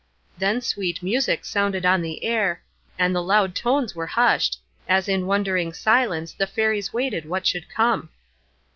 Then sweet music sounded on the air, and the loud tones were hushed, as in wondering silence the Fairies waited what should come.